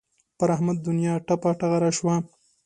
پر احمد دونیا ټپه ټغره شوه.